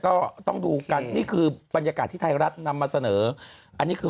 ก็ต้องดูกันนี่คือบรรยากาศที่ไทยรัฐนำมาเสนออันนี้คือ